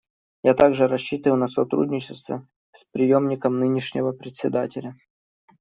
Я также рассчитываю на сотрудничество с преемником нынешнего Председателя.